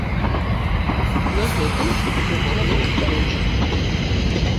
На гэтым усё магло б скончыцца.